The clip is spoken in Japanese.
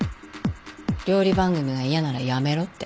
料理番組が嫌なら辞めろって。